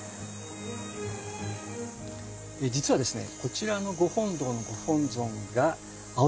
実はですねこちらのご本堂のああ！